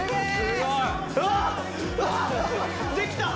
できた！